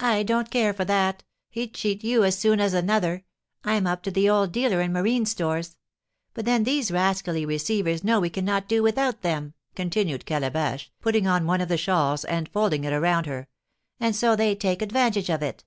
"I don't care for that, he'd cheat you as soon as another; I'm up to the old dealer in marine stores. But then these rascally receivers know we cannot do without them," continued Calabash, putting on one of the shawls, and folding it around her, "and so they take advantage of it."